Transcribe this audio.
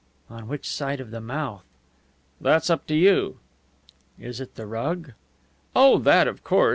"On which side of the mouth?" "That's up to you." "Is it the rug?" "Oh, that, of course!